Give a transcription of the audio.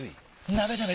なべなべ